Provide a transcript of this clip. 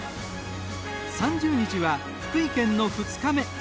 ３０日は福井県の２日目。